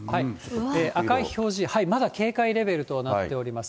赤い表示、まだ警戒レベルとなっております。